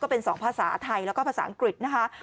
ก็เป็น๒ภาษาไทยและก็ภาษาอังกฤษ